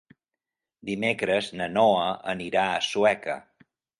Dimecres na Noa anirà a Sueca.